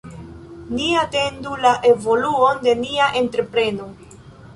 Ni atendu la evoluon de nia entrepreno.